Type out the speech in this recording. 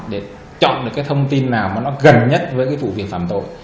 để chọn được cái thông tin nào mà nó gần nhất với cái vụ việc phạm tội